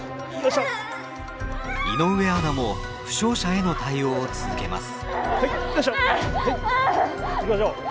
井上アナも負傷者への対応を続けます。